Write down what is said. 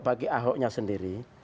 bagi ahoknya sendiri